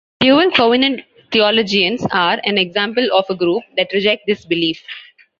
Dual-covenant theologians are an example of a group that reject this belief.